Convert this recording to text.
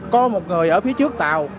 có một người ở phía trước tàu